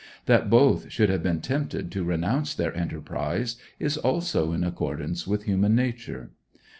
That both should have been tempted to renounce their enterprise is also in accordance with human nature.